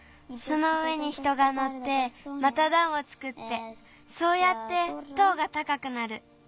その上に人がのってまただんをつくってそうやって塔がたかくなる。